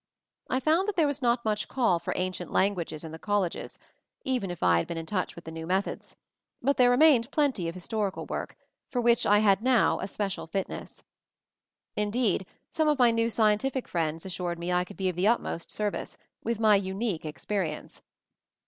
I found that there was not much call for ancient languages in the colleges, even if I 274 MOVING THE MOUNTAIN had been in touch with the new methods; but there remained plenty of historical work, for which I had now a special fitness. In deed some of my new scientific friends as sured me I could be of the utmost service, with my unique experience.